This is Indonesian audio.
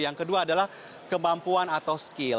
yang kedua adalah kemampuan atau skill